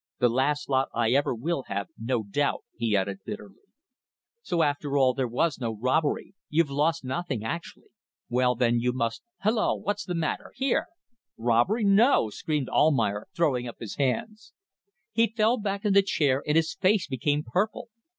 The last lot I ever will have, no doubt," he added, bitterly. "So, after all, there was no robbery. You've lost nothing actually. Well, then, you must ... Hallo! What's the matter! ... Here! ..." "Robbery! No!" screamed Almayer, throwing up his hands. He fell back in the chair and his face became purple.